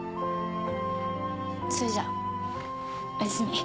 それじゃおやすみ。